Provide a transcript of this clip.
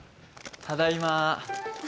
ただいま。